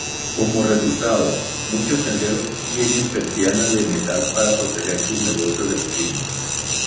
Como resultado, muchos tenderos tienen persianas de metal para proteger sus negocios del crimen.